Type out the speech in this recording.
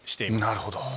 なるほど。